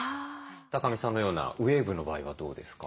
二神さんのようなウエーブの場合はどうですか？